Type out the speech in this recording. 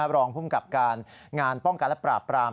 รองภูมิกับการงานป้องกันและปราบปราม